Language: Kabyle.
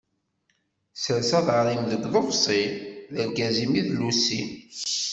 Sers aḍar-im deg uḍebṣi, d argaz-im i d llusi.